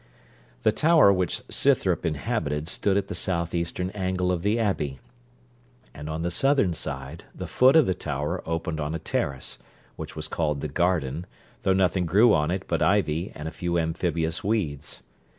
The tower which Scythrop inhabited stood at the south eastern angle of the Abbey; and, on the southern side, the foot of the tower opened on a terrace, which was called the garden, though nothing grew on it but ivy, and a few amphibious weeds.